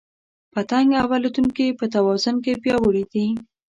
پتنګ او الوتونکي په توازن کې پیاوړي دي.